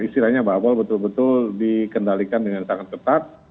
istilahnya bubble betul betul dikendalikan dengan sangat ketat